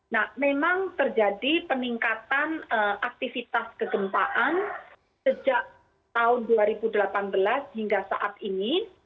nah memang terjadi peningkatan aktivitas kegempaan sejak tahun dua ribu delapan belas hingga saat ini